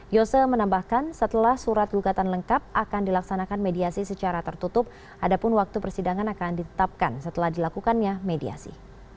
yose menambahkan setelah surat gugatan lengkap akan dilaksanakan mediasi secara tertutup adapun waktu persidangan akan ditetapkan setelah dilakukannya mediasi